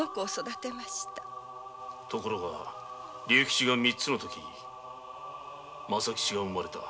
ところが竜吉が３歳になった時政吉が生まれた。